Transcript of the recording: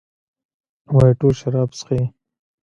وايي ټول شراب چښي؟